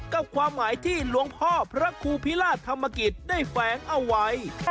ความหมายที่หลวงพ่อพระครูพิราชธรรมกิจได้แฝงเอาไว้